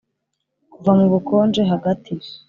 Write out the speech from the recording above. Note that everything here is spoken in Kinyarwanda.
kuva mu bukonje, hagati